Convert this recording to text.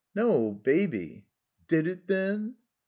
"No, Baby. (Did it then!)."